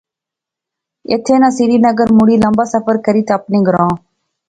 ایتھیں ناں سری نگر مڑی لمبا سفر کری تے اپنے گراں